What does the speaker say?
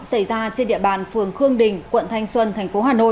xảy ra trên địa bàn phường khương đình quận thanh xuân tp hà nội